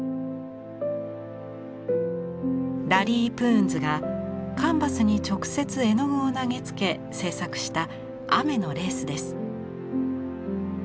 ラリー・プーンズがカンバスに直接絵の具を投げつけ制作した「雨のレース」です。